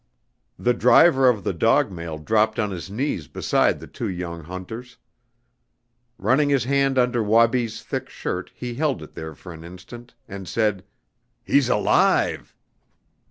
The driver of the dog mail dropped on his knees beside the two young hunters. Running his hand under Wabi's thick shirt he held it there for an instant, and said, "He's alive!"